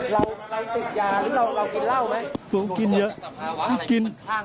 เราติดยาหรือเรากินเหล้าไหม